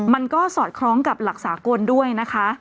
มันก็สอดคล้องกับหลักสากลด้วยนะคะ